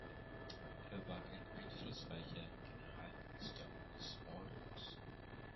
Er war ein einflussreicher Generalminister des Ordens.